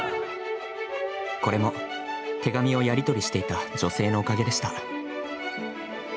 これも、手紙をやり取りしていた女性のおかげでした。